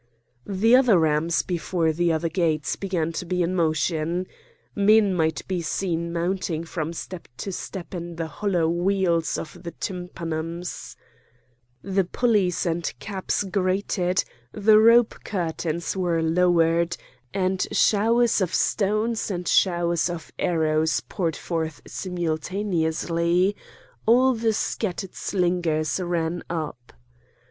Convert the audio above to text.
The other rams before the other gates began to be in motion. Men might be seen mounting from step to step in the hollow wheels of the tympanums. The pulleys and caps grated, the rope curtains were lowered, and showers of stones and showers of arrows poured forth simultaneously; all the scattered slingers ran up.